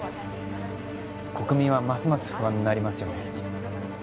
国民はますます不安になりますよね